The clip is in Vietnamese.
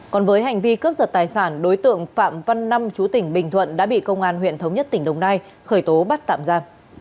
còn với hành vi cướp giật tài sản đối tượng phạm văn năm chú tỉnh bình thuận đã bị công an huyện thống nhất tỉnh đồng nai khởi tố bắt tạm ra